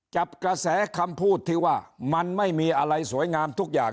จับกระแสคำพูดที่ว่ามันไม่มีอะไรสวยงามทุกอย่าง